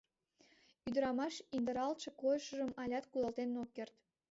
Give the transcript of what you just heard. Ӱдырамаш индыралтше койышыжым алят кудалтен ок керт.